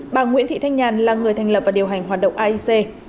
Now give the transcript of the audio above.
bà nguyễn thị thanh nhàn là người thành lập và điều hành hoạt động aic